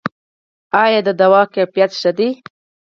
آیا د درملو کیفیت ښه دی؟